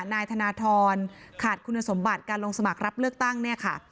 นายธนทรขาดคุณสมบัติการลงสมัครรับเลือกตั้งเนี่ยค่ะ